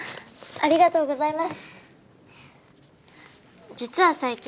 ありがとうございます！